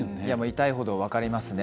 痛いほど分かりますね。